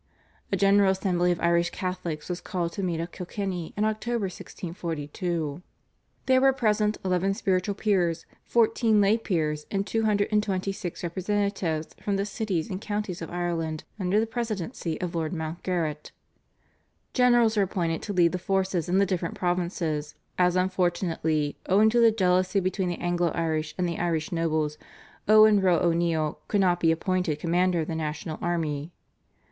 A general assembly of Irish Catholics was called to meet at Kilkenny in October 1642. There were present, eleven spiritual peers, fourteen lay peers, and two hundred and twenty six representatives from the cities and counties of Ireland, under the presidency of Lord Mountgarrett. Generals were appointed to lead the forces in the different provinces, as unfortunately owing to the jealousy between the Anglo Irish and the Irish nobles Owen Roe O'Neill could not be appointed commander of the national army.